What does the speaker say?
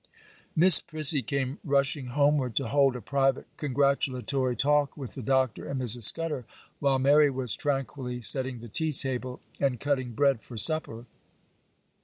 Miss Prissy came rushing homeward, to hold a private congratulatory talk with the Doctor and Mrs. Scudder, while Mary was tranquilly setting the tea table and cutting bread for supper.